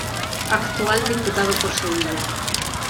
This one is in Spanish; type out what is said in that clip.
Actual Diputado por Sevilla.